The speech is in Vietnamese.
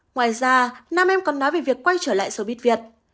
ngoài ra nam em còn nói về việc quay trở lại sôbe việt